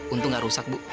untung gak rusak bu